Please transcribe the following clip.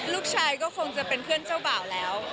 ลูกชายก็คงจะเป็นเพื่อนเจ้าบ่าวแล้ว